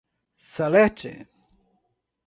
Salete